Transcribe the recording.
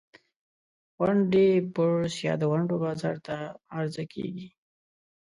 ونډې بورس یا د ونډو بازار ته عرضه کیږي.